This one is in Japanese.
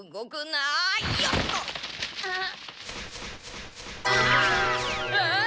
あっ！